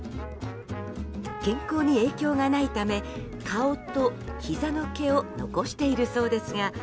健康に影響がないため顔とひざの毛を残しているそうですが。